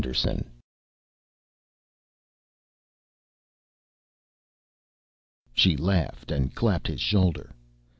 "He won't." She laughed and clapped his shoulder.